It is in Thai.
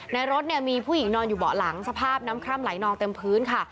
รถเนี่ยมีผู้หญิงนอนอยู่เบาะหลังสภาพน้ำคร่ำไหลนองเต็มพื้นค่ะ